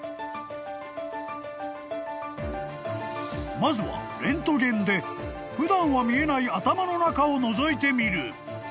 ［まずはレントゲンで普段は見えない頭の中をのぞいてみる］